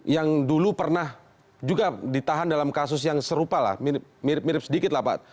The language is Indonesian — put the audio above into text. yang dulu pernah juga ditahan dalam kasus yang serupa lah mirip mirip sedikit lah pak